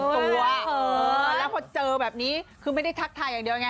เธอเจอแบบนี้ไม่ได้ทักทายอ่อน